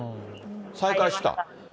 再開した。